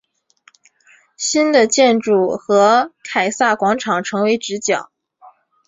新的建筑和凯撒广场成为直角。